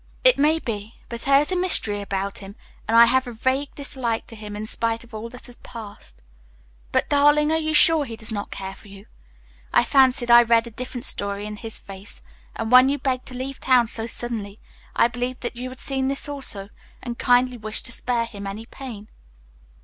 "It may be, but there is a mystery about him; and I have a vague dislike to him in spite of all that has passed. But, darling, are you sure he does not care for you? I fancied I read a different story in his face, and when you begged to leave town so suddenly, I believed that you had seen this also, and kindly wished to spare him any pain."